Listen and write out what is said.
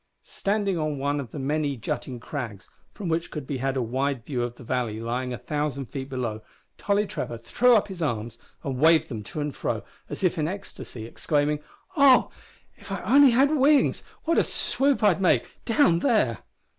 Standing on one of the many jutting crags from which could be had a wide view of the vale lying a thousand feet below, Tolly Trevor threw up his arms and waved them to and fro as if in an ecstasy, exclaiming "Oh, if I had only wings, what a swoop I'd make down there!"